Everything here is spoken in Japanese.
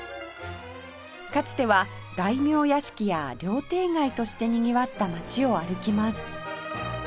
かつては大名屋敷や料亭街としてにぎわった街を歩きます